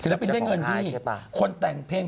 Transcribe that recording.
ปินได้เงินพี่คนแต่งเพลง